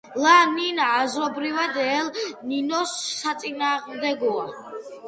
ლა-ნინია აზრობრივად, ელ-ნინიოს საწინააღმდეგოა.